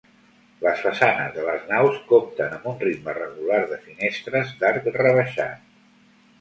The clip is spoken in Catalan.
Les façanes de les naus compten amb un ritme regular de finestres d'arc rebaixat.